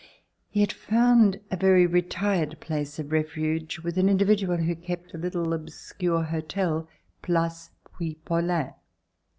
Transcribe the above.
He had found a very retired place of refuge with an individual who kept a little obscure hotel, Place Puy Paulin.